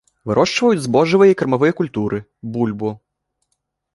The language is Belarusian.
Вырошчваюць збожжавыя і кармавыя культуры, бульбу.